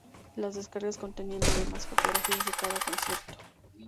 Las descargas contenían además fotografías de cada concierto.